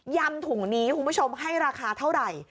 ยำถุงนี้คุณผู้ชมให้ราคาเท่าไหร่